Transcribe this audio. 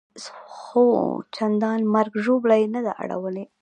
خو چندان مرګ ژوبله یې نه ده اړولې.